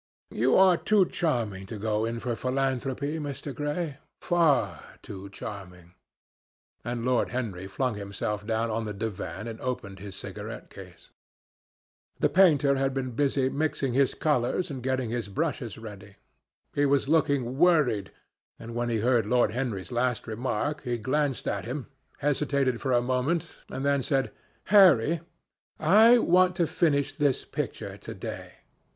"You are too charming to go in for philanthropy, Mr. Gray—far too charming." And Lord Henry flung himself down on the divan and opened his cigarette case. The painter had been busy mixing his colours and getting his brushes ready. He was looking worried, and when he heard Lord Henry's last remark, he glanced at him, hesitated for a moment, and then said, "Harry, I want to finish this picture to day.